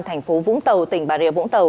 thành phố vũng tàu tỉnh bà rìa vũng tàu